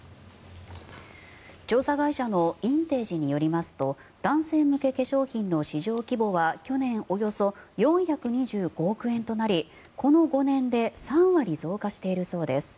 調査会社のインテージによりますと男性向け化粧品の市場規模は去年、およそ４２５億円となりこの５年で３割増加しているそうです。